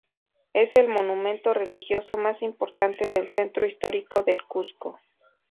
Es el monumento religioso más importante del Centro Histórico del Cuzco.